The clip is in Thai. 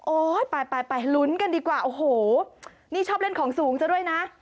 ไปไปลุ้นกันดีกว่าโอ้โหนี่ชอบเล่นของสูงซะด้วยนะ